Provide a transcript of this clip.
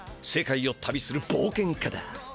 世界を旅する冒険家だ。